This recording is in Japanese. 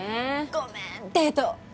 ごめんデート。